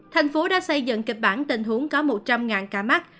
thành phố đã xây dựng kịch bản tình huống có một trăm linh ca mắc